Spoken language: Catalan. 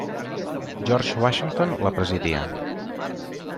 George Washington la presidia.